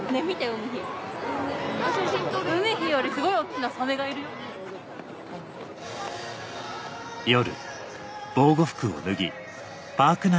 海陽よりすごい大っきなサメがいるよ。